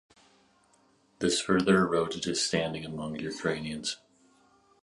This further eroded his standing among Ukrainians.